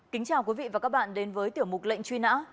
kính chào quý vị và các bạn đến với tiểu mục lệnh truy nã